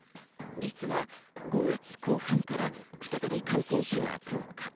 実は５月後半から再び感染者が増加。